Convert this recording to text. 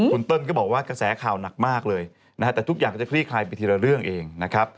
คุณเติ้ลก็บอกว่ากระแสข่าวหนักมากเลยนะฮะแต่ทุกอย่างก็จะคลี่คลายไปทีละเรื่องเองนะครับ